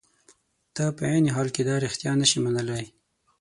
ته په عین حال کې دا رښتیا نشې منلای.